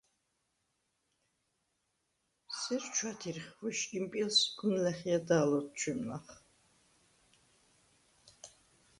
სერ ჩვათირხ ვეშგიმპილს ი გუნ ლა̈ხიადა̄ლ ოთჩვემნახ.